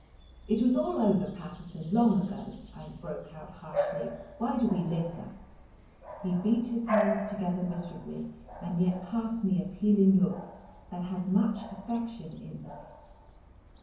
"It was all over, Paterson, long ago," I broke out harshly, "why do we linger?" He beat his hands together miserably, and yet cast me appealing looks that had much affection in them.